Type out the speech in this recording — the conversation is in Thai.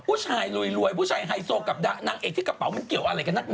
ผู้ชายรวยผู้ชายไฮโซกับนางเอกที่กระเป๋ามันเกี่ยวอะไรกันนักห